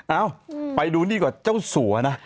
เอ้าไปดูนี่กว่าเจ้าสัวนะ